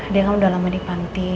dia kan udah lama di panti